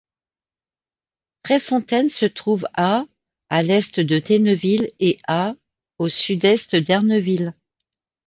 Tresfontaine se trouve à à l'est de Tenneville et à au sud-est d'Erneuville.